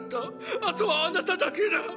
あとはあなただけだッ！